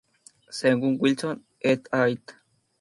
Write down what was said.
Según Wilson "et al.